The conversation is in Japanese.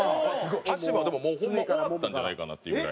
足は、でも、ホンマ終わったんじゃないかなっていうぐらい。